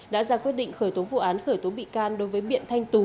đã ra quyết định khởi tố vụ án khởi tố bị can đối với biện thanh tú